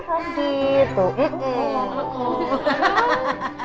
mamanya nanti kardi